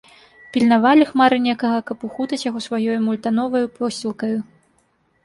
Пільнавалі хмары некага, каб ухутаць яго сваёю мультановаю посцілкаю.